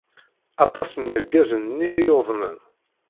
Aṭas seg yergazen-nni ay yuḍnen.